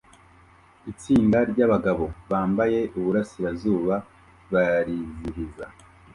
Itsinda ryabagabo bambaye iburasirazuba barizihiza